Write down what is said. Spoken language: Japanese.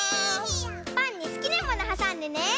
パンにすきなものはさんでね！